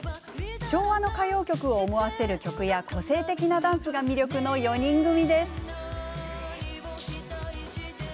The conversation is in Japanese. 昭和の歌謡曲を思わせる曲や個性的なダンスが魅力の４人組です。